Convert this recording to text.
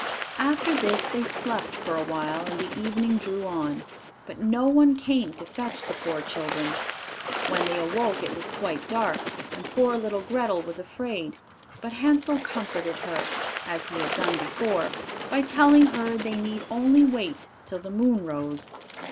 After this they slept for awhile, and the evening drew on; but no one came to fetch the poor children. When they awoke it was quite dark, and poor little Grethel was afraid; but Hansel comforted her, as he had done before, by telling her they need only wait till the moon rose.